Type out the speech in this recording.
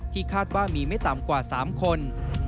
คาดว่ามีไม่ต่ำกว่า๓คน